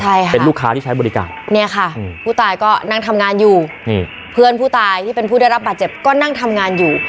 ใช่ค่ะเป็นลูกค้าที่ใช้บริการเนี่ยค่ะอืมผู้ตายก็นั่งทำงานอยู่นี่เพื่อนผู้ตายที่เป็นผู้ได้รับบาดเจ็บก็นั่งทำงานอยู่